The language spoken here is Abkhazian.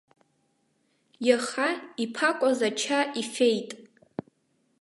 Иаха иԥакәаз ача ифеит.